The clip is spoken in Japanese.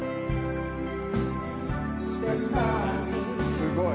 ・すごい。